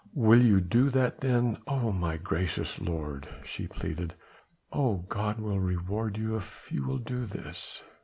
"Will you do that then, O my gracious lord," she pleaded. "Oh! God will reward you if you will do this."